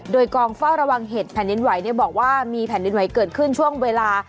โดยกองเฝ้าระวังเหตุแผ่นดินไหวบอกว่ามีแผ่นดินไหวเกิดขึ้นช่วงเวลา